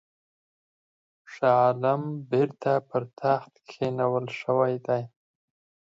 شاه عالم بیرته پر تخت کښېنول شوی دی.